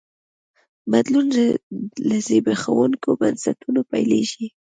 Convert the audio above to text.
بدلون له زبېښونکو بنسټونو پیلېږي.